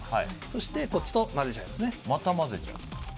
そして、こっちと混ぜちゃいますね。